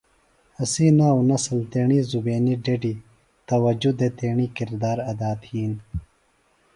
اسی ناوہ نسل تیݨی زُبینی ڈڈیࣿ توجہ دےۡ تیݨی کردار ادا تِھین۔